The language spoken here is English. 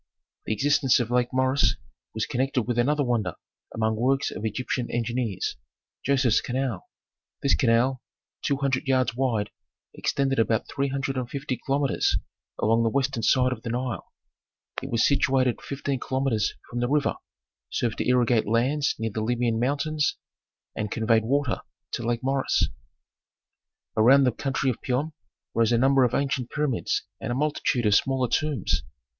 The existence of Lake Moeris was connected with another wonder among works of Egyptian engineers, Joseph's canal. This canal, two hundred yards wide, extended about three hundred and fifty kilometres along the western side of the Nile. It was situated fifteen kilometres from the river, served to irrigate lands near the Libyan mountains, and conveyed water to Lake Moeris. Around the country of Piom rose a number of ancient pyramids and a multitude of smaller tombs.